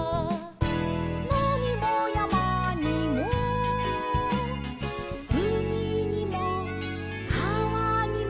「のにもやまにもうみにもかわにも」